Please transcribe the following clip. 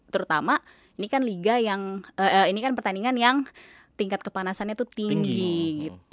terutama ini kan pertandingan yang tingkat kepanasannya tuh tinggi